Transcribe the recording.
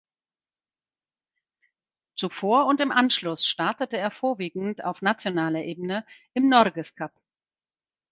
Zuvor und im Anschluss startete er vorwiegend auf nationaler Ebene im Norges Cup.